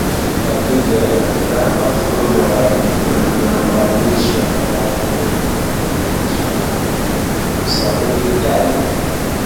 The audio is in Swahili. wa kike na wa kiume wakilinganishwa wangedhihirisha usawiri gani